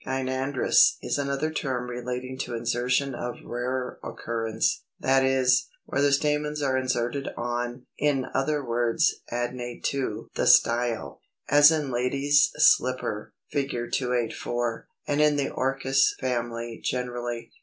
] Gynandrous is another term relating to insertion of rarer occurrence, that is, where the stamens are inserted on (in other words, adnate to) the style, as in Lady's Slipper (Fig. 284), and in the Orchis family generally.